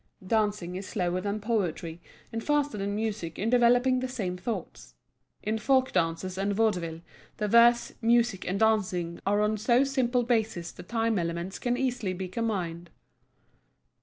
Dancing is slower than poetry and faster than music in developing the same thoughts. In folk dances and vaudeville, the verse, music, and dancing are on so simple a basis the time elements can be easily combined.